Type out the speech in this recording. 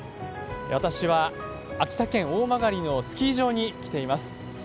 私は、秋田県大曲のスキー場に来ています。